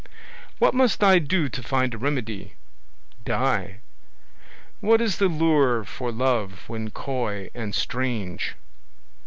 What must I do to find a remedy? Die. What is the lure for love when coy and strange?